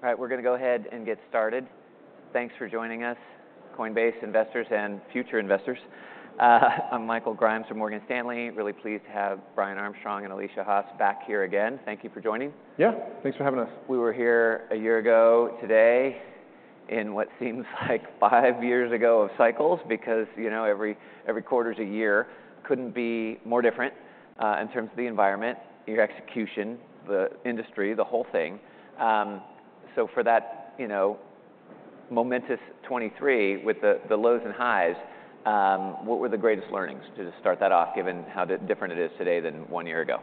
All right, we're gonna go ahead and get started. Thanks for joining us, Coinbase investors and future investors. I'm Michael Grimes from Morgan Stanley. Really pleased to have Brian Armstrong and Alesia Haas back here again. Thank you for joining. Yeah, thanks for having us. We were here a year ago today, in what seems like five years ago of cycles, because, you know, every quarter is a year, couldn't be more different in terms of the environment, your execution, the industry, the whole thing. So for that, you know, momentous 2023 with the lows and highs, what were the greatest learnings, to just start that off, given how different it is today than one year ago?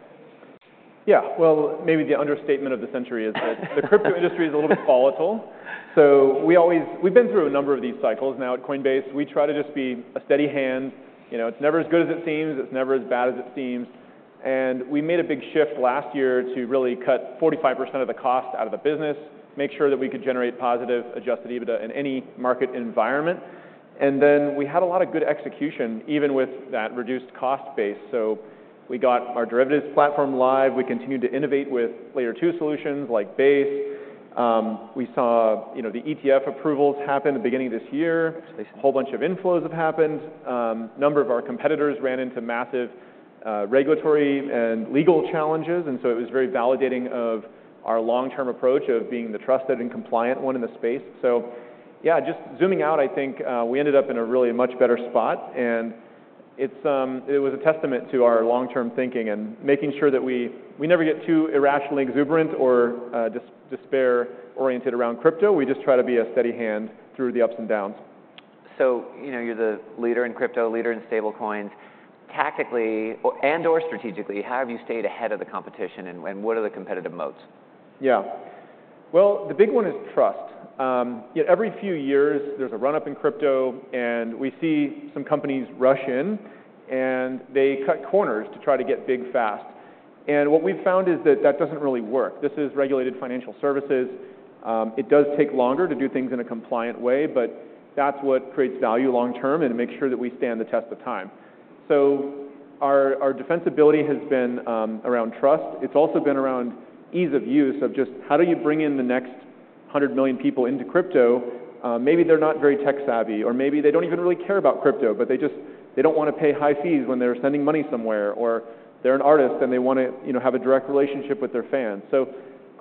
Yeah. Well, maybe the understatement of the century is that the crypto industry is a little bit volatile. So we always, we've been through a number of these cycles now at Coinbase. We try to just be a steady hand. You know, it's never as good as it seems, it's never as bad as it seems. And we made a big shift last year to really cut 45% of the cost out of the business, make sure that we could generate positive, Adjusted EBITDA in any market environment. And then we had a lot of good execution, even with that reduced cost base. So we got our derivatives platform live. We continued to innovate with layer two solutions like Base. We saw, you know, the ETF approvals happen at the beginning of this year. Yeah. A whole bunch of inflows have happened. A number of our competitors ran into massive, regulatory and legal challenges, and so it was very validating of our long-term approach of being the trusted and compliant one in the space. So yeah, just zooming out, I think, we ended up in a really much better spot, and it's, it was a testament to our long-term thinking and making sure that we, we never get too irrationally exuberant or, despair-oriented around crypto. We just try to be a steady hand through the ups and downs. So, you know, you're the leader in crypto, leader in stablecoins. Tactically, and/or strategically, how have you stayed ahead of the competition, and what are the competitive moats? Yeah. Well, the big one is trust. Yet every few years, there's a run-up in crypto, and we see some companies rush in, and they cut corners to try to get big fast. And what we've found is that that doesn't really work. This is regulated financial services. It does take longer to do things in a compliant way, but that's what creates value long term and make sure that we stand the test of time. So our, our defensibility has been around trust. It's also been around ease of use, of just how do you bring in the next 100 million people into crypto? Maybe they're not very tech savvy, or maybe they don't even really care about crypto, but they just they don't wanna pay high fees when they're sending money somewhere, or they're an artist and they wanna, you know, have a direct relationship with their fans. So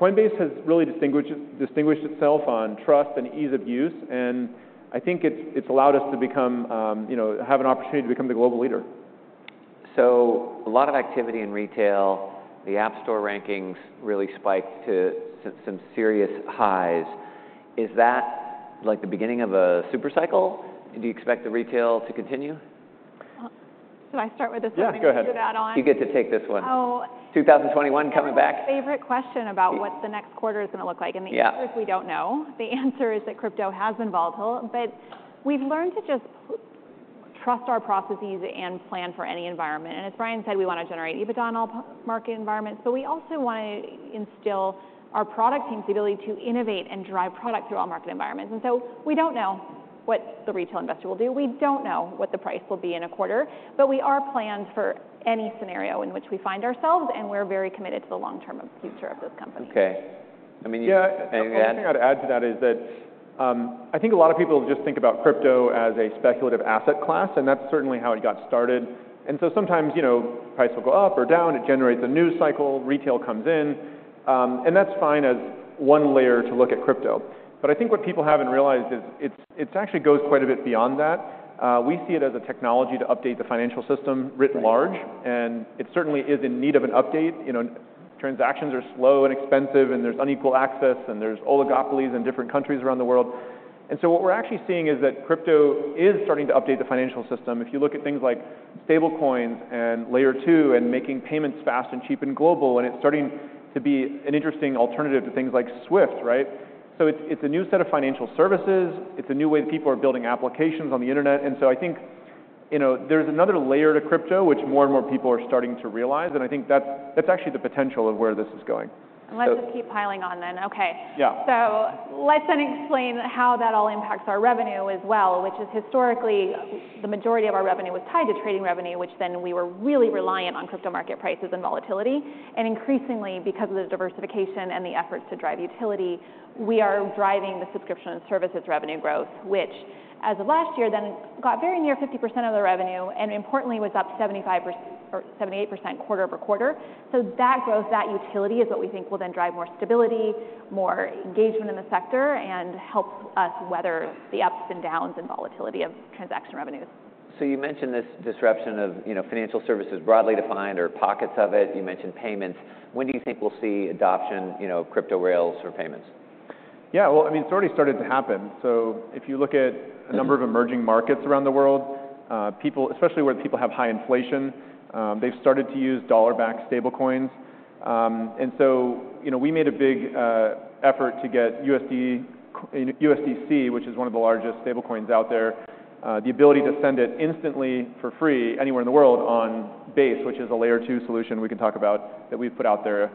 Coinbase has really distinguished itself on trust and ease of use, and I think it's allowed us to become, you know, have an opportunity to become the global leader. So a lot of activity in retail, the App Store rankings really spiked to some serious highs. Is that, like, the beginning of a super cycle? And do you expect the retail to continue? Well, should I start with this one. Yeah, go ahead. And hand it on? You get to take this one. 2021, coming back. Favorite question about what the next quarter is gonna look like. Yeah. The answer is, we don't know. The answer is that crypto has been volatile, but we've learned to just trust our processes and plan for any environment. As Brian said, we wanna generate EBITDA on all market environments, but we also wanna instill our product team's ability to innovate and drive product through all market environments. So we don't know what the retail investor will do. We don't know what the price will be in a quarter, but we are planned for any scenario in which we find ourselves, and we're very committed to the long-term future of this company. Okay. I mean, yeah, anything to add? Yeah. I think I'd add to that is that, I think a lot of people just think about crypto as a speculative asset class, and that's certainly how it got started. And so sometimes, you know, price will go up or down, it generates a news cycle, retail comes in, and that's fine as one layer to look at crypto. But I think what people haven't realized is, it actually goes quite a bit beyond that. We see it as a technology to update the financial system writ large, and it certainly is in need of an update. You know, transactions are slow and expensive, and there's unequal access, and there's oligopolies in different countries around the world. And so what we're actually seeing is that crypto is starting to update the financial system. If you look at things like stablecoins and Layer 2 and making payments fast and cheap and global, and it's starting to be an interesting alternative to things like SWIFT, right? So it's, it's a new set of financial services, it's a new way that people are building applications on the Internet. And so I think, you know, there's another layer to crypto, which more and more people are starting to realize, and I think that's, that's actually the potential of where this is going. Let's just keep piling on then. Okay. Yeah. So let's then explain how that all impacts our revenue as well, which is historically, the majority of our revenue was tied to trading revenue, which then we were really reliant on crypto market prices and volatility. And increasingly, because of the diversification and the efforts to drive utility, we are driving the subscription and services revenue growth, which, as of last year, then got very near 50% of the revenue, and importantly, was up 75% or 78% quarter-over-quarter. So that growth, that utility, is what we think will then drive more stability, more engagement in the sector, and help us weather the ups and downs and volatility of transaction revenues. You mentioned this disruption of, you know, financial services broadly defined, or pockets of it. You mentioned payments. When do you think we'll see adoption, you know, crypto rails for payments? Yeah. Well, I mean, it's already started to happen. So if you look at a number of emerging markets around the world, people, especially where people have high inflation, they've started to use dollar-backed stablecoins. And so, you know, we made a big effort to get USD, USDC, which is one of the largest stablecoins out there, the ability to send it instantly for free anywhere in the world on Base, which is a Layer 2 solution we can talk about that we've put out there.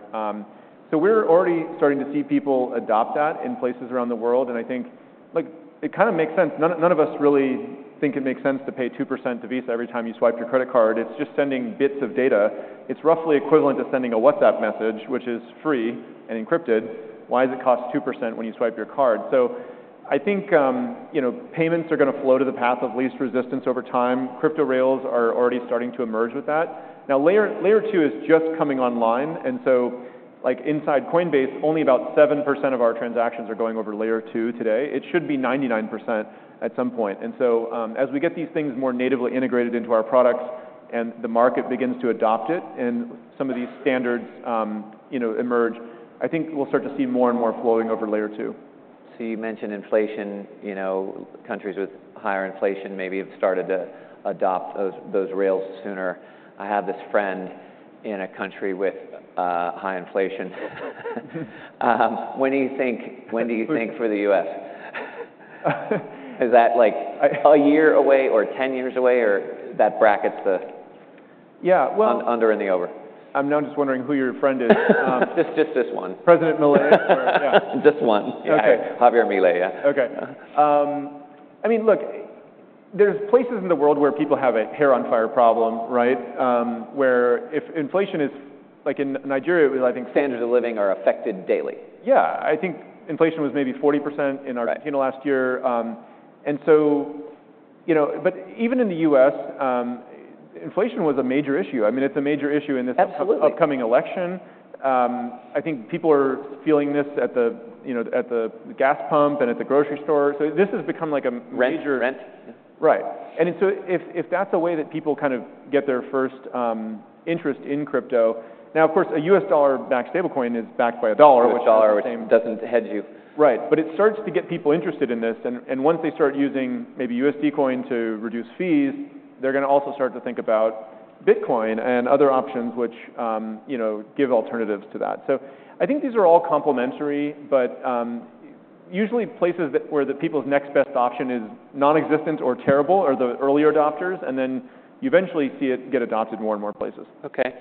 So we're already starting to see people adopt that in places around the world, and I think, like, it kinda makes sense. None of us really think it makes sense to pay 2% to Visa every time you swipe your credit card. It's just sending bits of data. It's roughly equivalent to sending a WhatsApp message, which is free and encrypted. Why does it cost 2% when you swipe your card? So, I think, you know, payments are gonna flow to the path of least resistance over time. Crypto rails are already starting to emerge with that. Now, layer two is just coming online, and so, like, inside Coinbase, only about 7% of our transactions are going over layer two today. It should be 99% at some point. And so, as we get these things more natively integrated into our products and the market begins to adopt it, and some of these standards, you know, emerge, I think we'll start to see more and more flowing over layer two. So you mentioned inflation, you know, countries with higher inflation maybe have started to adopt those rails sooner. I have this friend in a country with high inflation. When do you think for the U.S.? Is that, like, a year away or 10 years away, or that brackets the. Yeah, well. Under and the over. I'm now just wondering who your friend is. Just, just this one. President Milei? This one. Okay. Javier Milei, yeah. Okay. I mean, look, there's places in the world where people have a hair on fire problem, right? Where if inflation is, like, in Nigeria, I think. Standards of living are affected daily. Yeah. I think inflation was maybe 40% in Argentina. Right Last year. And so, you know, but even in the U.S., inflation was a major issue. I mean, it's a major issue in this- Absolutely Upcoming election. I think people are feeling this at the, you know, at the gas pump and at the grocery store. So this has become, like, a major. Rent, rent. Right. And so if that's a way that people kind of get their first interest in crypto... Now, of course, a U.S. dollar-backed stablecoin is backed by a dollar, which- A dollar, which doesn't hedge you. Right. But it starts to get people interested in this, and once they start using maybe USD Coin to reduce fees, they're gonna also start to think about Bitcoin and other options which, you know, give alternatives to that. So I think these are all complementary, but usually places that, where the people's next best option is non-existent or terrible are the earlier adopters, and then you eventually see it get adopted in more and more places. Okay.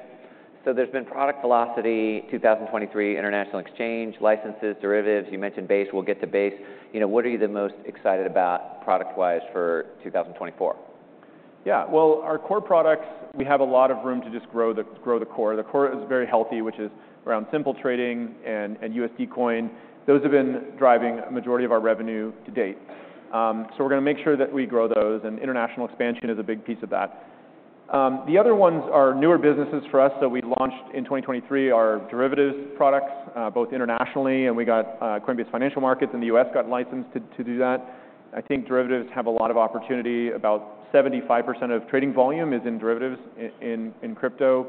So there's been product velocity, 2023 international exchange, licenses, derivatives. You mentioned Base, we'll get to Base. You know, what are you the most excited about product-wise for 2024? Yeah. Well, our core products, we have a lot of room to just grow the, grow the core. The core is very healthy, which is around simple trading and, and USD Coin. Those have been driving a majority of our revenue to date. So we're gonna make sure that we grow those, and international expansion is a big piece of that. The other ones are newer businesses for us that we launched in 2023, are derivatives products, both internationally, and we got, Coinbase Financial Markets in the U.S. got licensed to, to do that. I think derivatives have a lot of opportunity. About 75% of trading volume is in derivatives in crypto.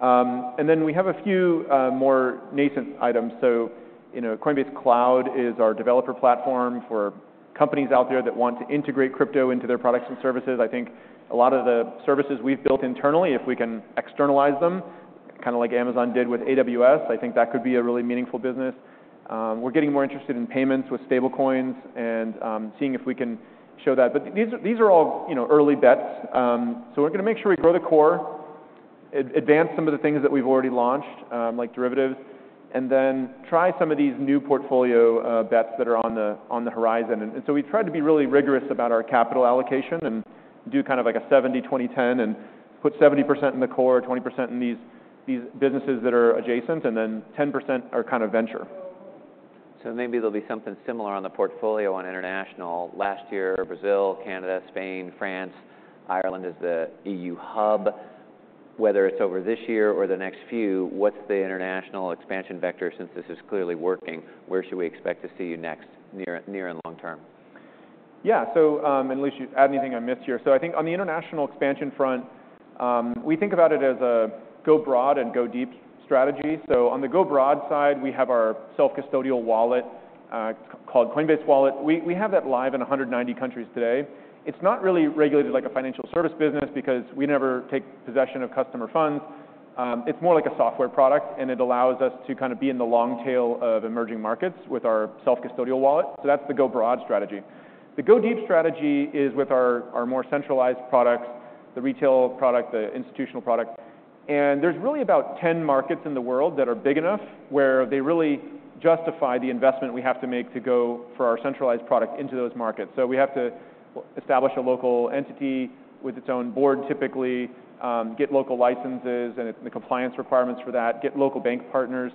And then we have a few, more nascent items. So, you know, Coinbase Cloud is our developer platform for companies out there that want to integrate crypto into their products and services. I think a lot of the services we've built internally, if we can externalize them, kinda like Amazon did with AWS, I think that could be a really meaningful business. We're getting more interested in payments with stablecoins and seeing if we can show that. But these are all, you know, early bets. So we're gonna make sure we grow the core, advance some of the things that we've already launched, like derivatives, and then try some of these new portfolio bets that are on the horizon. And, and so we've tried to be really rigorous about our capital allocation and do kind of like a 70, 20, 10, and put 70% in the core, 20% in these, these businesses that are adjacent, and then 10% are kind of venture. So, maybe there'll be something similar on the portfolio on international. Last year, Brazil, Canada, Spain, France, Ireland is the E.U. hub. Whether it's over this year or the next few, what's the international expansion vector? Since this is clearly working, where should we expect to see you next, near, near and long term? Yeah. So, unless you add anything I missed here. So I think on the international expansion front, we think about it as a go broad and go deep strategy. So on the go broad side, we have our self-custodial wallet, called Coinbase Wallet. We have that live in 190 countries today. It's not really regulated like a financial service business because we never take possession of customer funds. It's more like a software product, and it allows us to kind of be in the long tail of emerging markets with our self-custodial wallet. So that's the go broad strategy. The go deep strategy is with our more centralized products, the retail product, the institutional product. And there's really about 10 markets in the world that are big enough, where they really justify the investment we have to make to go for our centralized product into those markets. So we have to establish a local entity with its own board, typically, get local licenses and it, the compliance requirements for that, get local bank partners.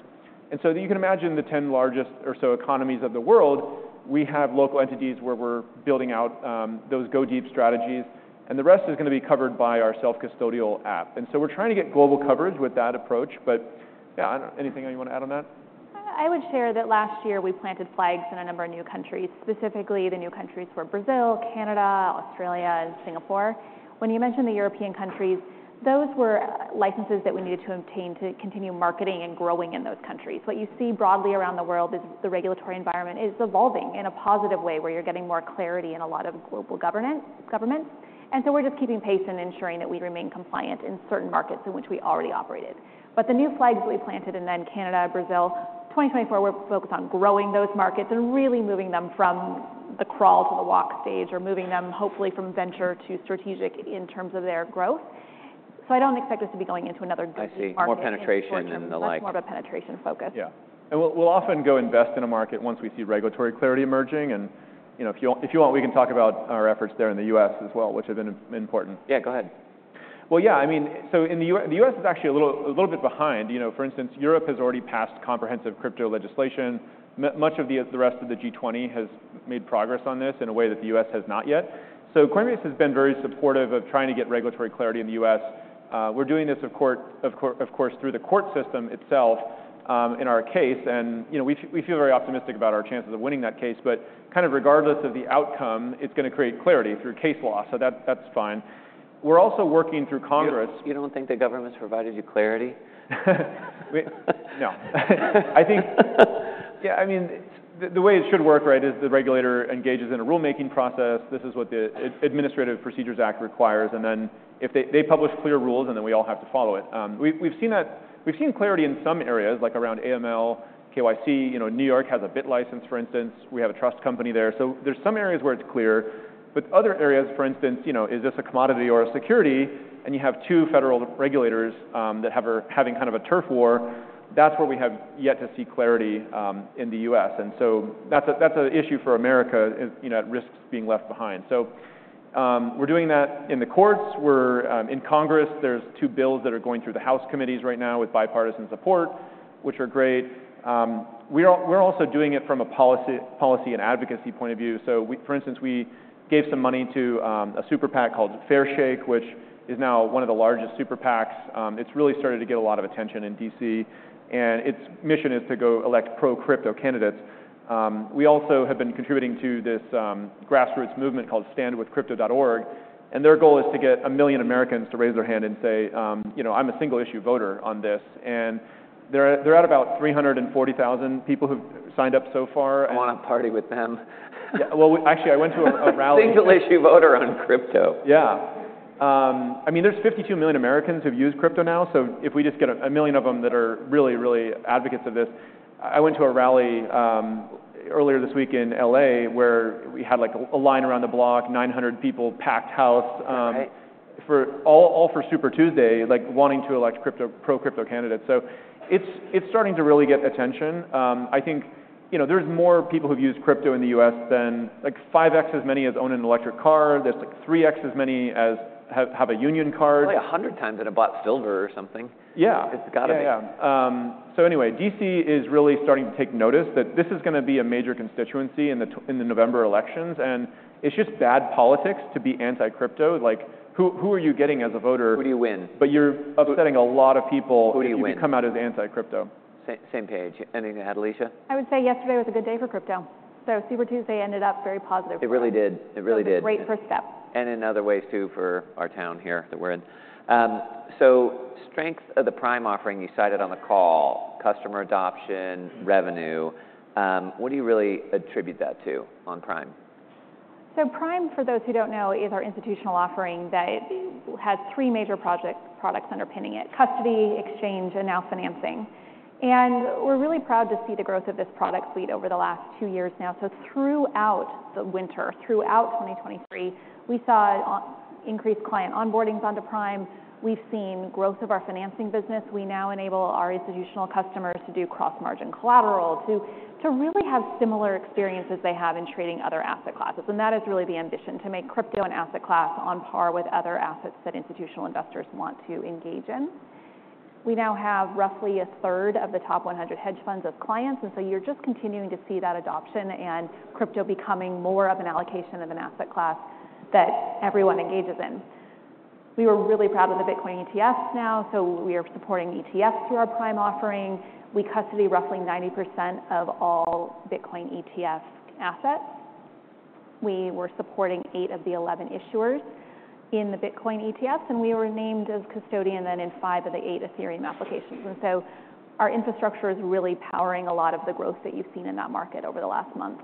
And so you can imagine the 10 largest or so economies of the world, we have local entities where we're building out those go deep strategies, and the rest is gonna be covered by our self-custodial app. And so we're trying to get global coverage with that approach, but, yeah, anything you want to add on that? I would share that last year we planted flags in a number of new countries. Specifically, the new countries were Brazil, Canada, Australia, and Singapore. When you mentioned the European countries, those were licenses that we needed to obtain to continue marketing and growing in those countries. What you see broadly around the world is the regulatory environment is evolving in a positive way, where you're getting more clarity in a lot of global governance, governments. And so we're just keeping pace and ensuring that we remain compliant in certain markets in which we already operated. But the new flags we planted, and then Canada, Brazil, 2024, we're focused on growing those markets and really moving them from the crawl to the walk stage, or moving them, hopefully, from venture to strategic in terms of their growth. So I don't expect us to be going into another market- I see. More penetration than the like. More of a penetration focus. Yeah. We'll often go invest in a market once we see regulatory clarity emerging. You know, if you want, we can talk about our efforts there in the U.S. as well, which have been important. Yeah, go ahead. Well, yeah, I mean, so in the U.S.—the U.S. is actually a little, a little bit behind. You know, for instance, Europe has already passed comprehensive crypto legislation. Much of the rest of the G20 has made progress on this in a way that the U.S. has not yet. So Coinbase has been very supportive of trying to get regulatory clarity in the U.S. We're doing this, of course, through the court system itself, in our case, and, you know, we feel, we feel very optimistic about our chances of winning that case, but kind of regardless of the outcome, it's gonna create clarity through case law, so that's fine. We're also working through Congress- You don't think the government's provided you clarity? No. I think. Yeah, I mean, the way it should work, right, is the regulator engages in a rulemaking process. This is what the Administrative Procedures Act requires, and then if they publish clear rules, and then we all have to follow it. We've seen clarity in some areas, like around AML, KYC. You know, New York has a BitLicense, for instance. We have a trust company there. So there's some areas where it's clear, but other areas, for instance, you know, is this a commodity or a security? And you have two federal regulators that are having kind of a turf war. That's where we have yet to see clarity in the U.S. And so that's an issue for America. You know, it risks being left behind. So, we're doing that in the courts, we're in Congress. There's two bills that are going through the House committees right now with bipartisan support, which are great. We're also doing it from a policy and advocacy point of view. So for instance, we gave some money to a super PAC called Fairshake, which is now one of the largest super PACs. It's really started to get a lot of attention in DC, and its mission is to go elect pro-crypto candidates. We also have been contributing to this grassroots movement called StandWithCrypto.org, and their goal is to get a million Americans to raise their hand and say, "You know, I'm a single-issue voter on this." And they're at about 340,000 people who've signed up so far. I wanna party with them. Yeah, well, actually, I went to a rally. Single-issue voter on crypto. Yeah. I mean, there's 52 million Americans who've used crypto now, so if we just get a million of them that are really, really advocates of this. I went to a rally earlier this week in L.A., where we had, like, a line around the block, 900 people, packed house. Great For all for Super Tuesday, like, wanting to elect crypto, pro-crypto candidates. So it's starting to really get attention. I think, you know, there's more people who've used crypto in the U.S. than, like, 5x as many as own an electric car. There's, like, 3x as many as have a union card. Probably 100x that have bought silver or something. Yeah. It's gotta be. Yeah, yeah. So anyway, D.C. is really starting to take notice that this is gonna be a major constituency in the November elections, and it's just bad politics to be anti-crypto. Like, who, who are you getting as a voter? Who do you win? But you're upsetting a lot of people- Who do you win? If you come out as anti-crypto. Same page. Anything to add, Alesia? I would say yesterday was a good day for crypto. Super Tuesday ended up very positive for us. It really did. It really did. A great first step. And in other ways, too, for our town here that we're in. So strength of the Prime offering, you cited on the call, customer adoption, revenue. What do you really attribute that to on Prime? So Prime, for those who don't know, is our institutional offering that has three major products underpinning it, custody, exchange, and now financing. And we're really proud to see the growth of this product suite over the last two years now. So throughout the winter, throughout 2023, we saw increased client onboardings onto Prime. We've seen growth of our financing business. We now enable our institutional customers to do cross-margin collateral, to really have similar experiences they have in trading other asset classes, and that is really the ambition, to make crypto an asset class on par with other assets that institutional investors want to engage in. We now have roughly a third of the top 100 hedge funds as clients, and so you're just continuing to see that adoption and crypto becoming more of an allocation of an asset class that everyone engages in. We are really proud of the Bitcoin ETFs now, so we are supporting ETFs through our Prime offering. We custody roughly 90% of all Bitcoin ETF assets. We were supporting 8 of the 11 issuers in the Bitcoin ETFs, and we were named as custodian, then, in 5 of the 8 Ethereum applications. So our infrastructure is really powering a lot of the growth that you've seen in that market over the last month.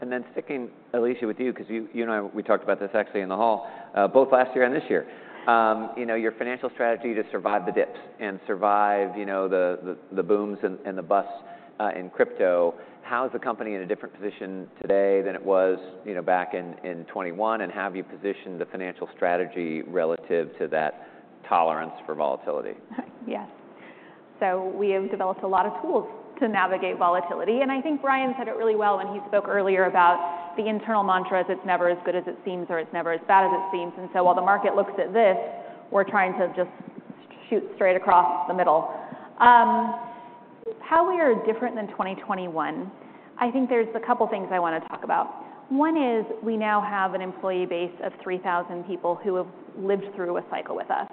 And then sticking, Alesia, with you, 'cause you, you and I, we talked about this actually in the hall, both last year and this year, you know, your financial strategy to survive the dips and survive, you know, the booms and the busts in crypto. How is the company in a different position today than it was, you know, back in 2021, and how have you positioned the financial strategy relative to that tolerance for volatility? Yes. So we have developed a lot of tools to navigate volatility, and I think Brian said it really well when he spoke earlier about the internal mantra is, "It's never as good as it seems," or, "It's never as bad as it seems." And so while the market looks at this, we're trying to just shoot straight across the middle. How we are different than 2021, I think there's a couple things I wanna talk about. One is we now have an employee base of 3,000 people who have lived through a cycle with us.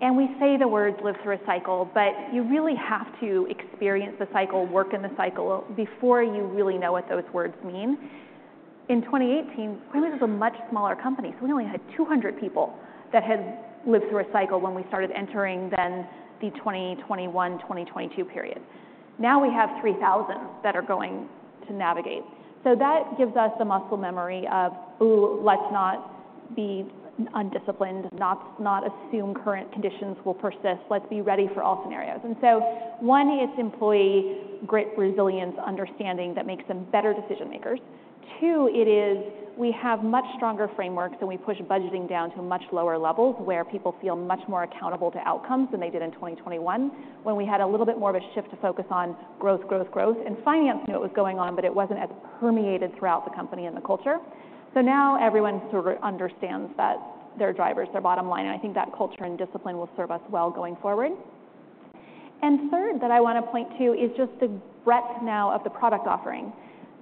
And we say the words "lived through a cycle," but you really have to experience the cycle, work in the cycle, before you really know what those words mean. In 2018, Coinbase was a much smaller company, so we only had 200 people that had lived through a cycle when we started entering then the 2021/2022 period. Now we have 3,000 that are going to navigate. So that gives us the muscle memory of, "Ooh, let's not be undisciplined. Let's not assume current conditions will persist. Let's be ready for all scenarios." And so, one, it's employee grit, resilience, understanding that makes them better decision makers. Two, it is we have much stronger frameworks, and we push budgeting down to much lower levels, where people feel much more accountable to outcomes than they did in 2021, when we had a little bit more of a shift to focus on growth, growth, growth. And finance knew it was going on, but it wasn't as permeated throughout the company and the culture. So now everyone sort of understands their drivers, their bottom line, and I think that culture and discipline will serve us well going forward. And third, that I want to point to is just the breadth now of the product offering.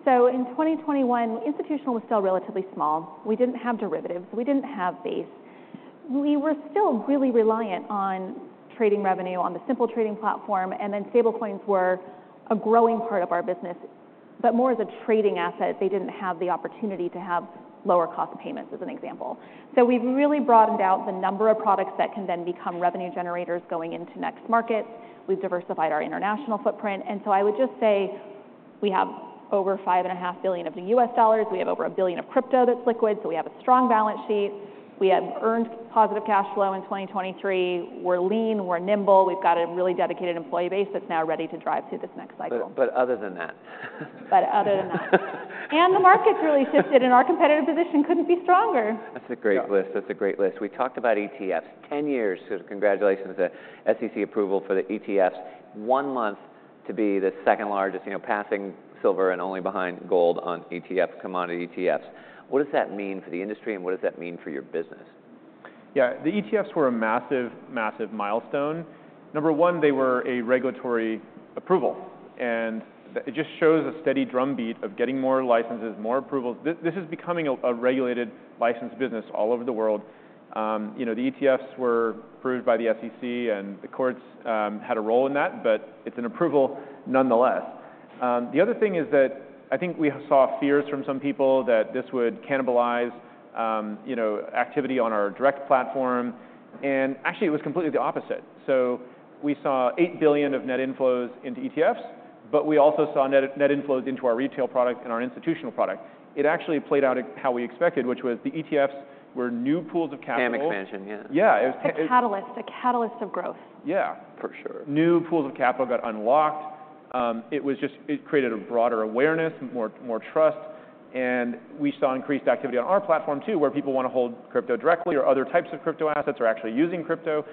So in 2021, institutional was still relatively small. We didn't have derivatives, we didn't have Base. We were still really reliant on trading revenue, on the simple trading platform, and then stablecoins were a growing part of our business, but more as a trading asset. They didn't have the opportunity to have lower cost payments, as an example. So we've really broadened out the number of products that can then become revenue generators going into next market. We've diversified our international footprint, and so I would just say we have over $5.5 billion of the U.S. dollars. We have over $1 billion of crypto that's liquid, so we have a strong balance sheet. We have earned positive cash flow in 2023. We're lean, we're nimble. We've got a really dedicated employee base that's now ready to drive through this next cycle. But other than that. Other than that. The market's really shifted, and our competitive position couldn't be stronger. That's a great list. That's a great list. We talked about ETFs. 10 years, so congratulations on the SEC approval for the ETFs. 1 month to be the second largest, you know, passing silver and only behind gold on ETF, commodity ETFs. What does that mean for the industry, and what does that mean for your business? Yeah, the ETFs were a massive, massive milestone. Number one, they were a regulatory approval, and it just shows a steady drumbeat of getting more licenses, more approvals. This is becoming a regulated, licensed business all over the world. You know, the ETFs were approved by the SEC, and the courts had a role in that, but it's an approval nonetheless. The other thing is that I think we saw fears from some people that this would cannibalize, you know, activity on our direct platform, and actually, it was completely the opposite. So we saw $8 billion of net inflows into ETFs, but we also saw net inflows into our retail product and our institutional product. It actually played out how we expected, which was the ETFs were new pools of capital. Gam expansion, yeah. Yeah, it was. A catalyst, a catalyst of growth. Yeah. For sure. New pools of capital got unlocked. It just created a broader awareness, more trust, and we saw increased activity on our platform, too, where people want to hold crypto directly or other types of crypto assets or actually using crypto.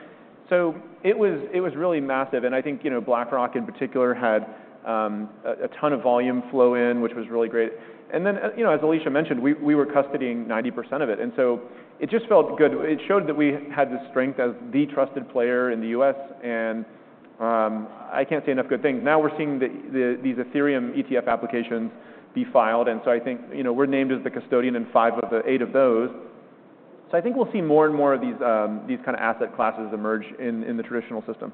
So it was really massive, and I think, you know, BlackRock, in particular, had a ton of volume flow in, which was really great. And then, you know, as Alesia mentioned, we were custodying 90% of it, and so it just felt good. It showed that we had the strength as the trusted player in the U.S., and I can't say enough good things. Now, we're seeing these Ethereum ETF applications be filed, and so I think, you know, we're named as the custodian in five of the eight of those. So I think we'll see more and more of these, these kind of asset classes emerge in the traditional system.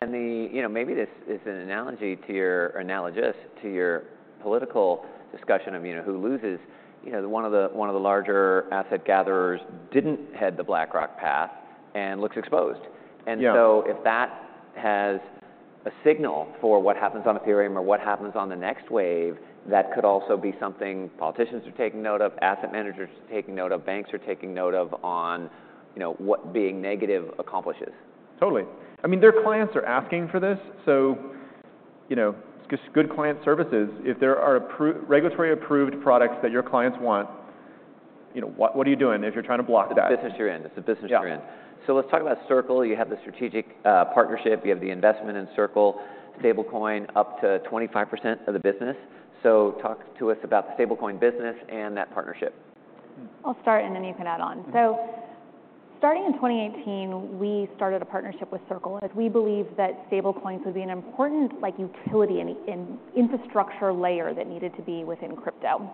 You know, maybe this is an analogy to your, or analogous to your political discussion of, you know, who loses. You know, one of the larger asset gatherers didn't head the BlackRock path and looks exposed. Yeah. And so if that has a signal for what happens on Ethereum or what happens on the next wave, that could also be something politicians are taking note of, asset managers are taking note of, banks are taking note of on, you know, what being negative accomplishes. Totally. I mean, their clients are asking for this, so, you know, just good client services. If there are approved regulatory approved products that your clients want, you know, what, what are you doing if you're trying to block that? It's the business you're in. It's the business you're in. Yeah. So let's talk about Circle. You have the strategic partnership, you have the investment in Circle, stablecoin, up to 25% of the business. So talk to us about the stablecoin business and that partnership. I'll start, and then you can add on. So starting in 2018, we started a partnership with Circle, as we believe that stablecoins would be an important, like, utility and, and infrastructure layer that needed to be within crypto.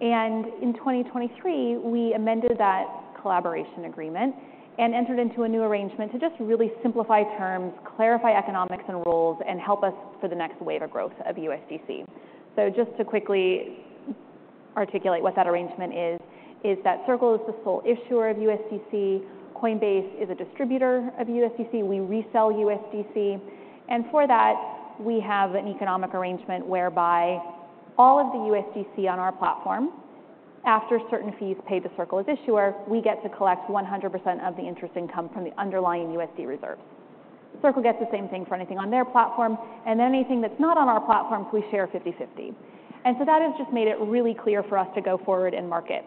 And in 2023, we amended that collaboration agreement and entered into a new arrangement to just really simplify terms, clarify economics and roles, and help us for the next wave of growth of USDC. So just to quickly articulate what that arrangement is, is that Circle is the sole issuer of USDC, Coinbase is a distributor of USDC. We resell USDC, and for that, we have an economic arrangement whereby all of the USDC on our platform, after certain fees paid to Circle as issuer, we get to collect 100% of the interest income from the underlying USD reserves. Circle gets the same thing for anything on their platform, and anything that's not on our platform, we share 50/50. And so that has just made it really clear for us to go forward and market.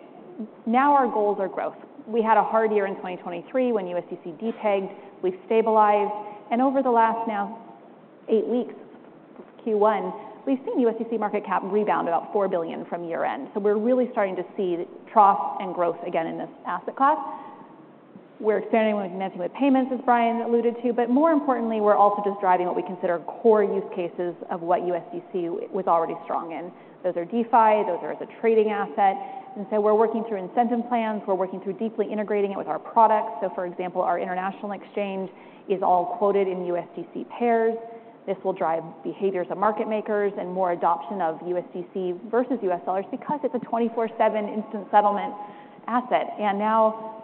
Now our goals are growth. We had a hard year in 2023 when USDC depegged, we stabilized, and over the last now 8 weeks, Q1, we've seen USDC market cap rebound about $4 billion from year-end. So we're really starting to see trough and growth again in this asset class. We're expanding with payments, as Brian alluded to, but more importantly, we're also just driving what we consider core use cases of what USDC was already strong in. Those are DeFi, those are the trading asset, and so we're working through incentive plans, we're working through deeply integrating it with our products. For example, our international exchange is all quoted in USDC pairs. This will drive behaviors of market makers and more adoption of USDC versus U.S. dollars because it's a 24/7 instant settlement asset. And now,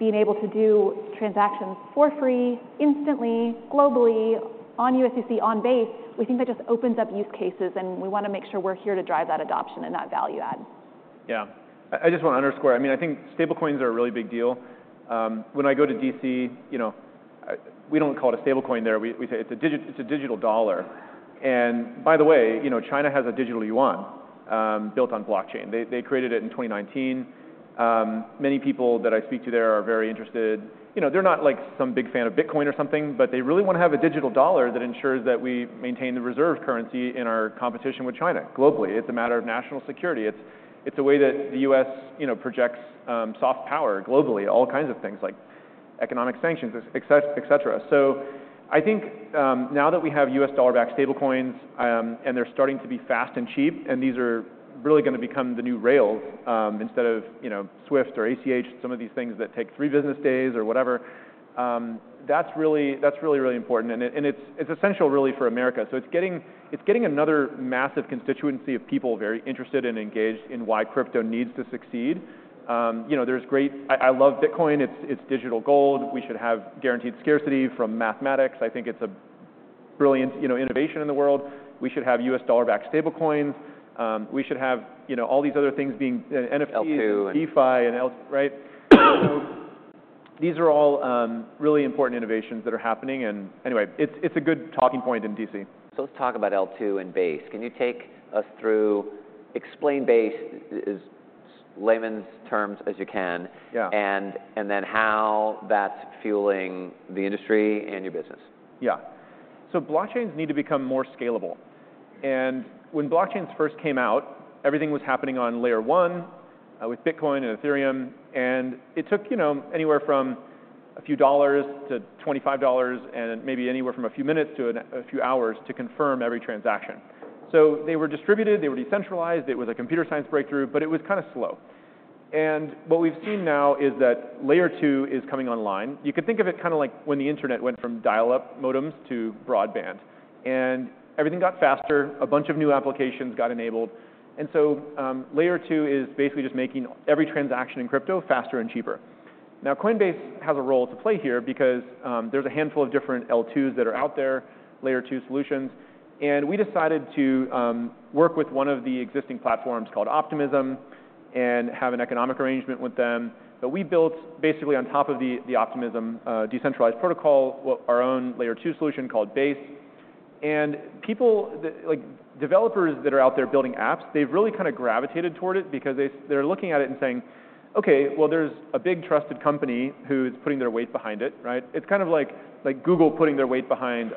being able to do transactions for free, instantly, globally, on USDC, on Base, we think that just opens up use cases, and we wanna make sure we're here to drive that adoption and that value add. Yeah. I just want to underscore, I mean, I think stablecoins are a really big deal. When I go to D.C., you know, we don't call it a stablecoin there, we say it's a digital dollar. And by the way, you know, China has a digital yuan, built on blockchain. They created it in 2019. Many people that I speak to there are very interested. You know, they're not, like, some big fan of Bitcoin or something, but they really want to have a digital dollar that ensures that we maintain the reserve currency in our competition with China globally. It's a matter of national security. It's a way that the U.S., you know, projects soft power globally, all kinds of things, like economic sanctions, et cetera. So I think, now that we have U.S. dollar-backed stablecoins, and they're starting to be fast and cheap, and these are really gonna become the new rails, instead of, you know, SWIFT or ACH, some of these things that take three business days or whatever, that's really, that's really, really important, and it's essential, really, for America. So it's getting another massive constituency of people very interested and engaged in why crypto needs to succeed. You know, there's great—I love Bitcoin, it's digital gold. We should have guaranteed scarcity from mathematics. I think it's a brilliant innovation in the world. We should have U.S. dollar-backed stablecoins. We should have, you know, all these other things being NFTs. L2 and. DeFi, and L2. Right? So these are all, really important innovations that are happening, and anyway, it's, it's a good talking point in D.C. So let's talk about L2 and Base. Can you take us through... Explain Base, as layman's terms as you can. Yeah. And then how that's fueling the industry and your business. Yeah. Blockchains need to become more scalable, and when blockchains first came out, everything was happening on Layer 1 with Bitcoin and Ethereum, and it took, you know, anywhere from a few dollars to $25, and maybe anywhere from a few minutes to a few hours to confirm every transaction. So they were distributed, they were decentralized, it was a computer science breakthrough, but it was kinda slow. And what we've seen now is that Layer 2 is coming online. You can think of it kinda like when the internet went from dial-up modems to broadband, and everything got faster, a bunch of new applications got enabled. And so, Layer 2 is basically just making every transaction in crypto faster and cheaper. Now, Coinbase has a role to play here because there's a handful of different L2s that are out there, layer two solutions, and we decided to work with one of the existing platforms called Optimism and have an economic arrangement with them. But we built basically on top of the Optimism decentralized protocol, our own layer two solution called Base. And people like developers that are out there building apps, they've really kinda gravitated toward it because they're looking at it and saying, "Okay, well, there's a big trusted company who's putting their weight behind it," right? It's kind of like Google putting their weight behind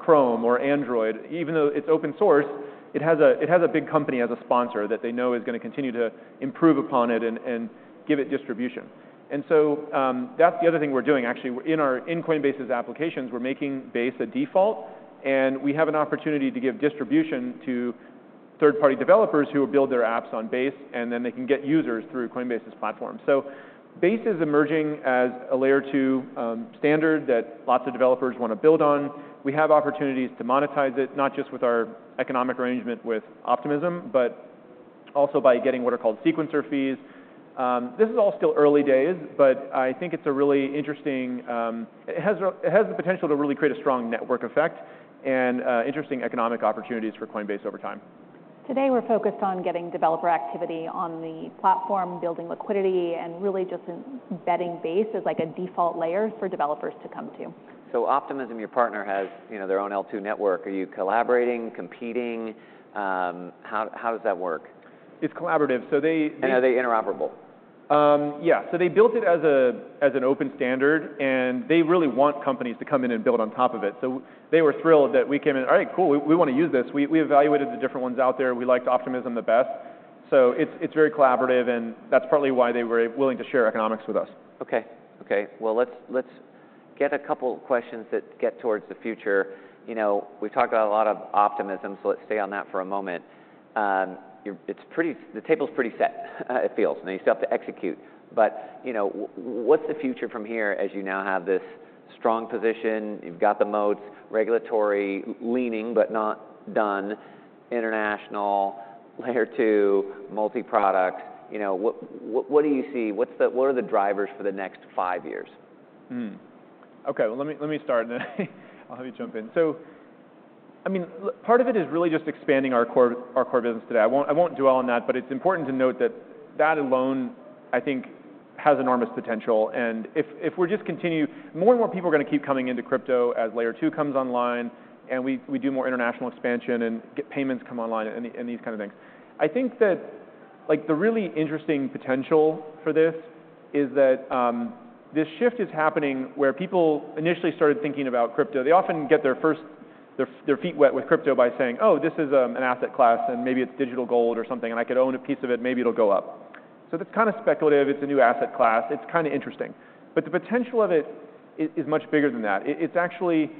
Chrome or Android. Even though it's open source, it has a big company as a sponsor that they know is gonna continue to improve upon it and give it distribution. That's the other thing we're doing, actually. In Coinbase's applications, we're making Base a default, and we have an opportunity to give distribution to third-party developers who will build their apps on Base, and then they can get users through Coinbase's platform. Base is emerging as a layer two standard that lots of developers wanna build on. We have opportunities to monetize it, not just with our economic arrangement with Optimism, but also by getting what are called sequencer fees. This is all still early days, but I think it's a really interesting. It has the potential to really create a strong network effect and interesting economic opportunities for Coinbase over time. Today, we're focused on getting developer activity on the platform, building liquidity, and really just embedding Base as, like, a default layer for developers to come to. So Optimism, your partner, has, you know, their own L2 network. Are you collaborating, competing? How does that work? It's collaborative. So they, they. Are they interoperable? Yeah. So they built it as an open standard, and they really want companies to come in and build on top of it. So they were thrilled that we came in, "All right, cool, we wanna use this." We evaluated the different ones out there. We liked Optimism the best. So it's very collaborative, and that's partly why they were willing to share economics with us. Okay, okay. Well, let's get a couple questions that get towards the future. You know, we've talked about a lot of Optimism, so let's stay on that for a moment. You're, it's pretty, the table's pretty set, it feels, and you still have to execute, but, you know, what's the future from here, as you now have this strong position, you've got the moats, regulatory leaning, but not done, international, layer two, multi-product, you know, what do you see, what's the, what are the drivers for the next five years? Okay, well, let me, let me start, and then I'll have you jump in. So, I mean, part of it is really just expanding our core, our core business today. I won't, I won't dwell on that, but it's important to note that that alone, I think, has enormous potential, and if, if we just continue, more and more people are gonna keep coming into crypto as layer two comes online and we, we do more international expansion and payments come online, and and these kind of things. I think that, like, the really interesting potential for this is that this shift is happening where people initially started thinking about crypto. They often get their first, their feet wet with crypto by saying, "Oh, this is an asset class, and maybe it's digital gold or something, and I could own a piece of it, maybe it'll go up." So it's kind of speculative. It's a new asset class. It's kinda interesting. But the potential of it is much bigger than that. It's actually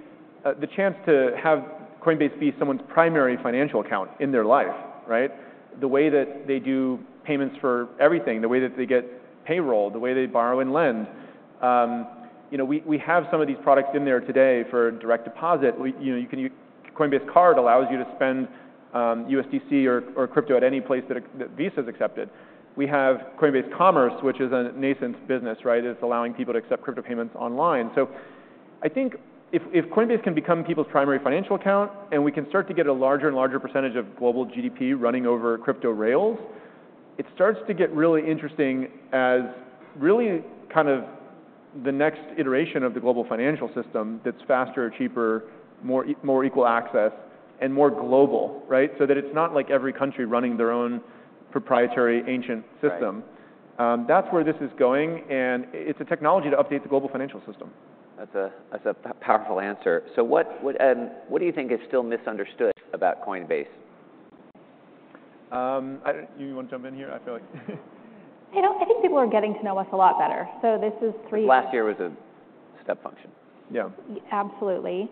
the chance to have Coinbase be someone's primary financial account in their life, right? The way that they do payments for everything, the way that they get payroll, the way they borrow and lend. You know, we have some of these products in there today for direct deposit. You know, you can Coinbase Card allows you to spend USDC or crypto at any place that that Visa's accepted. We have Coinbase Commerce, which is a nascent business, right? It's allowing people to accept crypto payments online. So I think if Coinbase can become people's primary financial account, and we can start to get a larger and larger percentage of global GDP running over crypto rails, it starts to get really interesting as really kind of the next iteration of the global financial system that's faster, cheaper, more equal access, and more global, right? So that it's not like every country running their own proprietary ancient system. Right. That's where this is going, and it's a technology to update the global financial system. That's a powerful answer. So what do you think is still misunderstood about Coinbase? I don't—you wanna jump in here? I feel like I don't, I think people are getting to know us a lot better. So this is three. Last year was a step function. Yeah. Absolutely.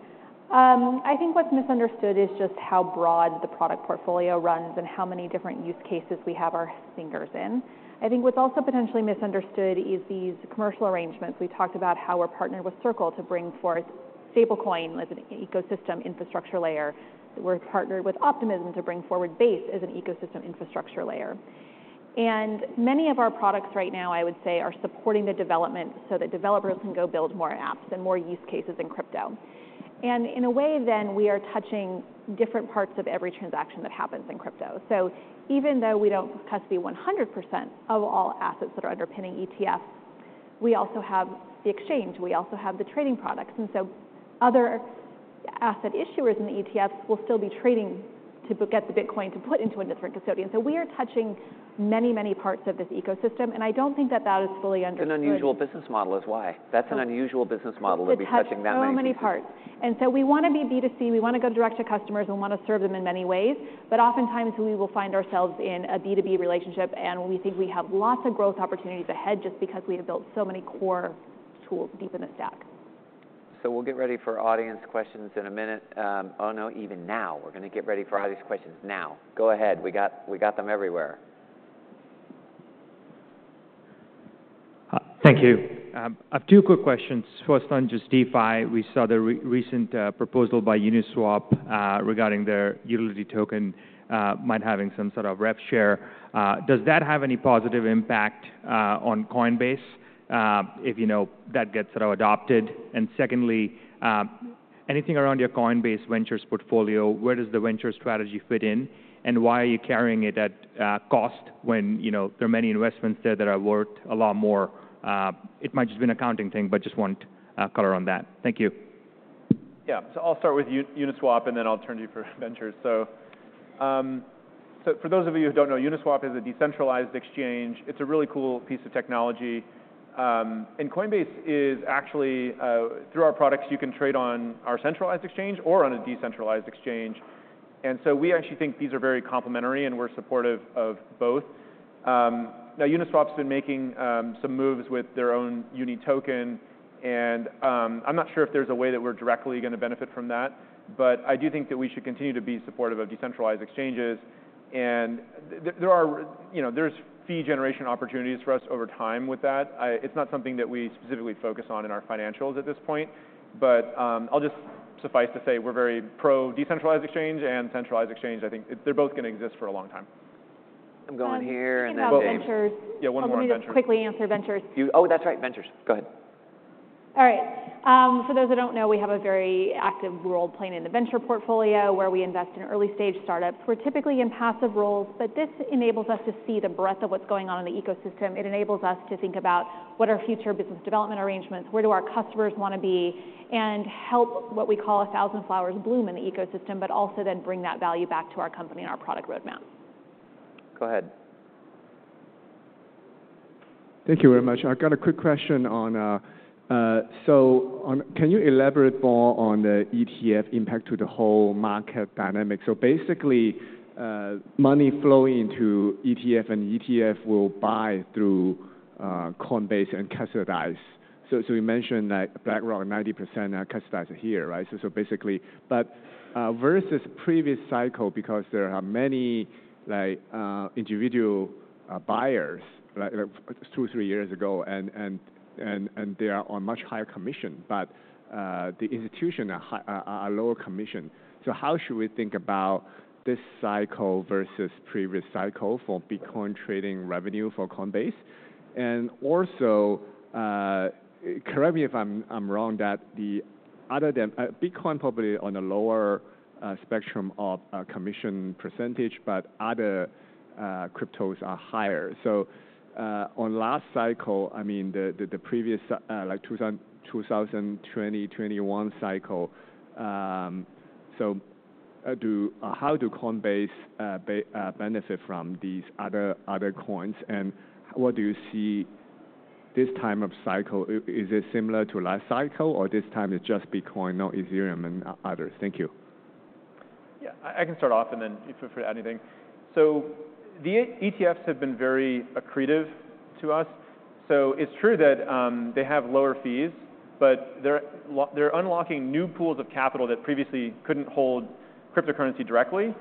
I think what's misunderstood is just how broad the product portfolio runs and how many different use cases we have our fingers in. I think what's also potentially misunderstood is these commercial arrangements. We talked about how we're partnered with Circle to bring forth stablecoin as an ecosystem infrastructure layer. We're partnered with Optimism to bring forward Base as an ecosystem infrastructure layer. And many of our products right now, I would say, are supporting the development so that developers can go build more apps and more use cases in crypto. And in a way, then, we are touching different parts of every transaction that happens in crypto. So even though we don't custody 100% of all assets that are underpinning ETFs, we also have the exchange, we also have the trading products. Other asset issuers in the ETFs will still be trading to get the Bitcoin to put into a different custodian. We are touching many, many parts of this ecosystem, and I don't think that that is fully understood. It's an unusual business model, is why. That's an unusual business model, to be touching that many parts. It has so many parts. And so we wanna be B2C, we wanna go direct to customers, and we wanna serve them in many ways. But oftentimes, we will find ourselves in a B2B relationship, and we think we have lots of growth opportunities ahead just because we have built so many core tools deep in the stack. So we'll get ready for audience questions in a minute. Oh, no, even now, we're gonna get ready for audience questions now. Go ahead. We got, we got them everywhere. Thank you. I have two quick questions. First on just DeFi, we saw the recent proposal by Uniswap regarding their utility token might having some sort of rep share. Does that have any positive impact on Coinbase if, you know, that gets at all adopted? And secondly, anything around your Coinbase Ventures portfolio, where does the venture strategy fit in, and why are you carrying it at cost when, you know, there are many investments there that are worth a lot more? It might just be an accounting thing, but just want color on that. Thank you. Yeah. So I'll start with Uniswap, and then I'll turn to you for ventures. So, for those of you who don't know, Uniswap is a decentralized exchange. It's a really cool piece of technology. And Coinbase is actually, through our products, you can trade on our centralized exchange or on a decentralized exchange. And so we actually think these are very complementary, and we're supportive of both. Now, Uniswap's been making some moves with their own UNI token, and, I'm not sure if there's a way that we're directly gonna benefit from that, but I do think that we should continue to be supportive of decentralized exchanges. And there are, you know, there's fee generation opportunities for us over time with that. It's not something that we specifically focus on in our financials at this point, but, I'll just suffice to say we're very pro-decentralized exchange and centralized exchange. I think they're both gonna exist for a long time. I'm going here, and then. Speaking about ventures. Yeah, one more on ventures. Let me just quickly answer ventures. Oh, that's right, ventures. Go ahead. All right. For those who don't know, we have a very active role playing in the venture portfolio, where we invest in early-stage startups. We're typically in passive roles, but this enables us to see the breadth of what's going on in the ecosystem. It enables us to think about what are future business development arrangements, where do our customers wanna be, and help what we call a thousand flowers bloom in the ecosystem, but also then bring that value back to our company and our product roadmap. Go ahead. Thank you very much. I've got a quick question on—so, on—can you elaborate more on the ETF impact to the whole market dynamic? So basically, money flowing into ETF, and ETF will buy through Coinbase and custodize. So, so you mentioned that around 90% are custodized here, right? So, so basically—but, versus previous cycle, because there are many, like, individual buyers, like, 2, 3 years ago, and, and, and, and they are on much higher commission, but, the institutions have a lower commission. So how should we think about this cycle versus previous cycle for Bitcoin trading revenue for Coinbase? And also, correct me if I'm wrong, that other than Bitcoin probably on a lower spectrum of commission percentage, but other cryptos are higher. So, on last cycle, I mean, the previous, like, 2020-2021 cycle, so, how does Coinbase benefit from these other coins? And what do you see this time of cycle? Is it similar to last cycle, or this time it's just Bitcoin, not Ethereum and others? Thank you. Yeah, I, I can start off, and then you feel free to add anything. So the ETFs have been very accretive to us. So it's true that they have lower fees, but they're unlocking new pools of capital that previously couldn't hold cryptocurrency directly.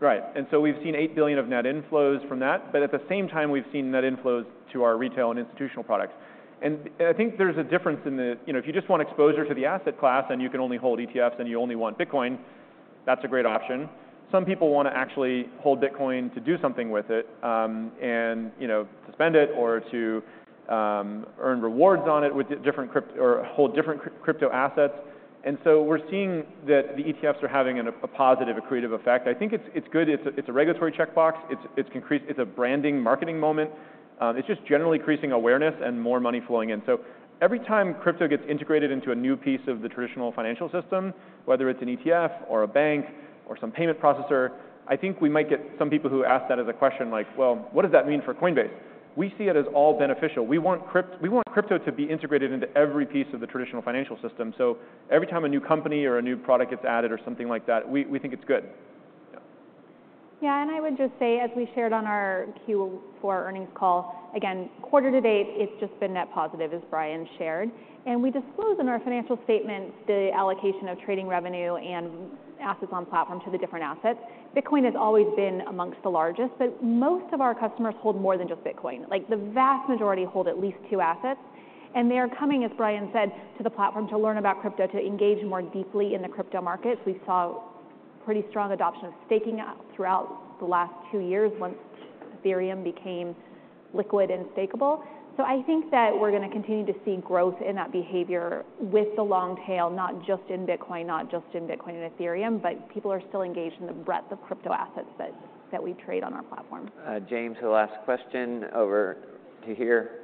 Right. And so we've seen $8 billion of net inflows from that, but at the same time, we've seen net inflows to our retail and institutional products. And I think there's a difference in the—you know, if you just want exposure to the asset class, and you can only hold ETFs, and you only want Bitcoin, that's a great option. Some people wanna actually hold Bitcoin to do something with it, and, you know, to spend it or to earn rewards on it with different crypto or hold different crypto assets. We're seeing that the ETFs are having a positive accretive effect. I think it's good. It's a regulatory checkbox, it's increased, it's a branding, marketing moment. It's just generally increasing awareness and more money flowing in. So every time crypto gets integrated into a new piece of the traditional financial system, whether it's an ETF or a bank or some payment processor, I think we might get some people who ask that as a question, like, "Well, what does that mean for Coinbase?" We see it as all beneficial. We want crypto to be integrated into every piece of the traditional financial system. So every time a new company or a new product gets added or something like that, we think it's good. Yeah, and I would just say, as we shared on our Q4 earnings call, again, quarter to date, it's just been net positive, as Brian shared. We disclose in our financial statements the allocation of trading revenue and assets on platform to the different assets. Bitcoin has always been amongst the largest, but most of our customers hold more than just Bitcoin. Like, the vast majority hold at least two assets, and they are coming, as Brian said, to the platform to learn about crypto, to engage more deeply in the crypto markets. We saw pretty strong adoption of staking throughout the last two years, once Ethereum became liquid and stakeable. I think that we're gonna continue to see growth in that behavior with the long tail, not just in Bitcoin, not just in Bitcoin and Ethereum, but people are still engaged in the breadth of crypto assets that we trade on our platform. Grimes, the last question over to here.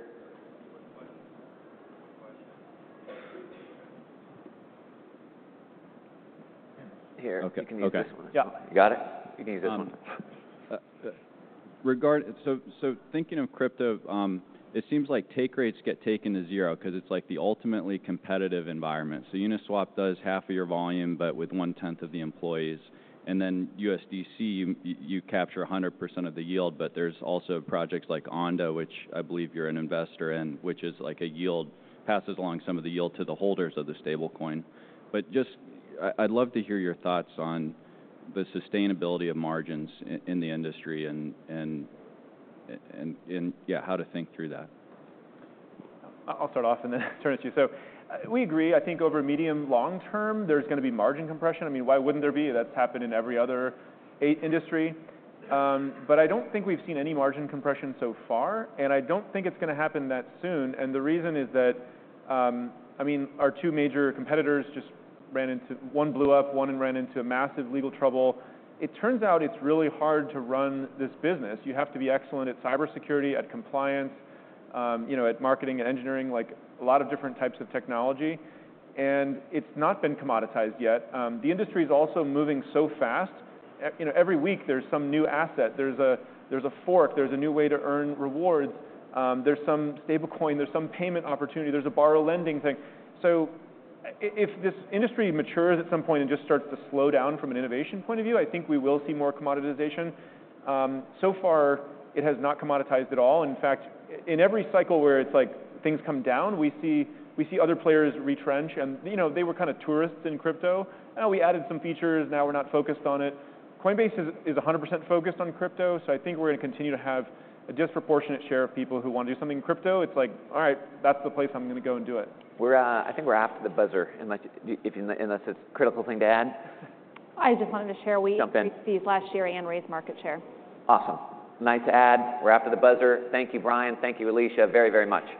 Here. Okay. You can use this one. Yeah. You got it? You can use this one. So thinking of crypto, it seems like take rates get taken to zero, 'cause it's, like, the ultimately competitive environment. So Uniswap does half of your volume but with one-tenth of the employees, and then USDC, you capture 100% of the yield, but there's also projects like Ondo, which I believe you're an investor in, which is like a yield, passes along some of the yield to the holders of the stablecoin. But just I, I'd love to hear your thoughts on the sustainability of margins in the industry and, yeah, how to think through that. I'll start off and then turn it to you. So we agree, I think over medium long term, there's gonna be margin compression. I mean, why wouldn't there be? That's happened in every other industry. But I don't think we've seen any margin compression so far, and I don't think it's gonna happen that soon, and the reason is that, I mean, our two major competitors just ran into. One blew up, one ran into a massive legal trouble. It turns out it's really hard to run this business. You have to be excellent at cybersecurity, at compliance, you know, at marketing and engineering, like, a lot of different types of technology, and it's not been commoditized yet. The industry is also moving so fast. You know, every week there's some new asset, there's a fork, there's a new way to earn rewards, there's some stablecoin, there's some payment opportunity, there's a borrow lending thing. So if this industry matures at some point and just starts to slow down from an innovation point of view, I think we will see more commoditization. So far, it has not commoditized at all. In fact, in every cycle where it's like things come down, we see other players retrench, and you know, they were kinda tourists in crypto. "Oh, we added some features, now we're not focused on it." Coinbase is 100% focused on crypto, so I think we're gonna continue to have a disproportionate share of people who want to do something in crypto. It's like, "All right, that's the place I'm gonna go and do it." I think we're after the buzzer, unless it's a critical thing to add. I just wanted to share. Jump in. We increased last year and raised market share. Awesome. Nice to add. We're after the buzzer. Thank you, Brian. Thank you, Alesia, very, very much.